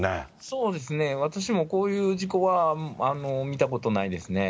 そうですね、私もこういう事故は見たことないですね。